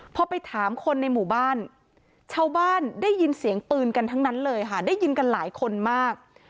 พอไปถามคนในหมู่บ้านชาวบ้านได้ยินเสียงปืนกันทั้งนั้นเลยค่ะได้ยินกันหลายคนมาก